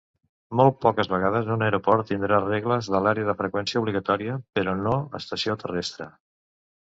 Molt poques vegades un aeroport tindrà regles de l'Àrea de freqüència obligatòria, però no estació terrestre.